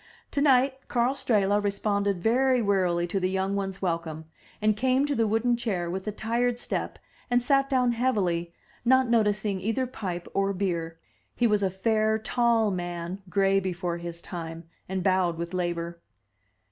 Tonight Karl Strehla responded very wearily to the yoimg ones' welcome, and came to the wooden chair with a tired step and sat down heavily, not noticing either pipe or beer. He was a fair, tall man, gray before his time, and bowed with labor.